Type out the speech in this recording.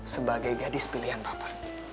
sebagai gadis pilihan papa